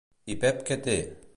I Pep què té?